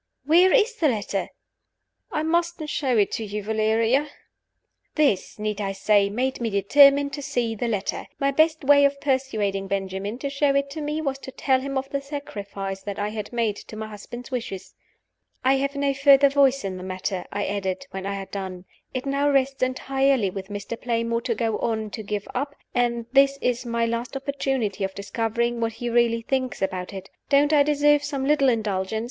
"Where is the letter?" "I mustn't show it to you, Valeria." This (need I say it?) made me determined to see the letter. My best way of persuading Benjamin to show it to me was to tell him of the sacrifice that I had made to my husband's wishes. "I have no further voice in the matter," I added, when I had done. "It now rests entirely with Mr. Playmore to go on or to give up; and this is my last opportunity of discovering what he really thinks about it. Don't I deserve some little indulgence?